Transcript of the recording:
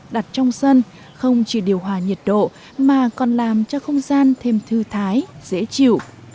đặt trong sân không chỉ điều hòa nhiệt độ mà còn làm cho không gian thêm thư thái dễ chịu